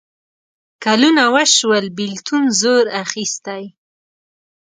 کلونه وشول بېلتون زور اخیستی.